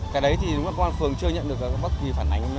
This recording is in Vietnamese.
cái đấy thì công an phường chưa nhận được bất kỳ phản ánh